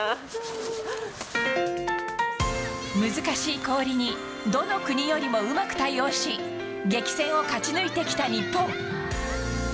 難しい氷にどの国よりもうまく対応し激戦を勝ち抜いてきた日本。